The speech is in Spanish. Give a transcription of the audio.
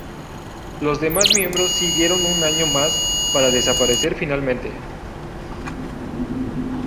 Los demás miembros siguieron un año más, para desaparecer finalmente.